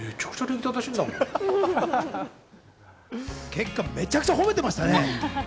結果、めちゃくちゃ褒めてましたね。